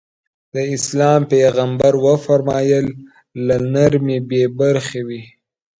د اسلام پيغمبر ص وفرمايل له نرمي بې برخې وي.